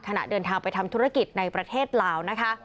ขณะเดินทางไปทำธุรกิจในประเทศลาวนะคะ